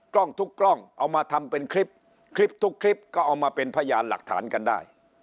กล้องทุกกล้องเอามาทำเป็นคลิปคลิปทุกคลิปก็เอามาเป็นพยานหลักฐานกันได้